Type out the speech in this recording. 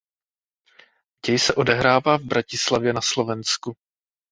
Děj se odehrává v Bratislavě na Slovensku.